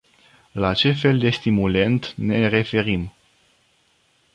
La ce fel de stimulent ne referim?